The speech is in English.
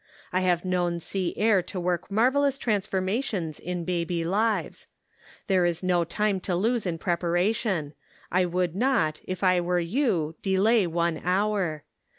I have known sea air to work marvellous transformations in baby lives. There is no time to lose in preparation ; I would not, if I were you, delay one hour.